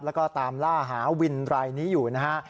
แล้วก็ตามล่าหาวินรายนี้อยู่นะฮะ